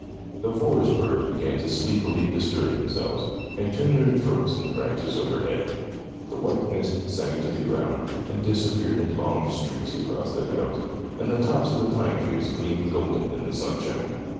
The forest birds began to sleepily bestir themselves, and tune their throats in the branches overhead. The white mist sank to the ground, and disappeared in long streaks across the meadows, and the tops of the pine trees gleamed golden in the sunshine.